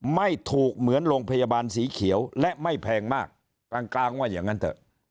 ไม่ถูกเหมือนโรงพยาบาลสีเขียวและไม่แพงมากกลางกลางว่าอย่างนั้นเถอะ